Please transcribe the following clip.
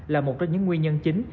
là một trong những nguyên nhân chính